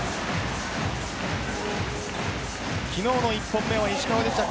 昨日の１本目は石川でした。